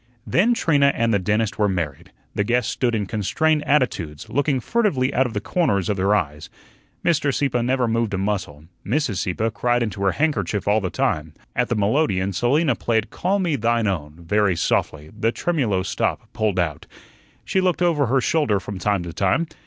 Then Trina and the dentist were married. The guests stood in constrained attitudes, looking furtively out of the corners of their eyes. Mr. Sieppe never moved a muscle; Mrs. Sieppe cried into her handkerchief all the time. At the melodeon Selina played "Call Me Thine Own," very softly, the tremulo stop pulled out. She looked over her shoulder from time to time.